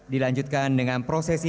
dilanjutkan dengan prosesnya